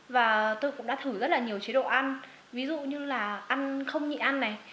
ví dụ như là ăn không nhị ăn này